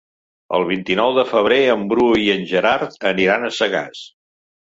El vint-i-nou de febrer en Bru i en Gerard aniran a Sagàs.